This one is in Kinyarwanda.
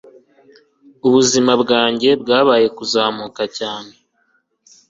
Ubuzima bwanjye bwabaye kuzamuka cyane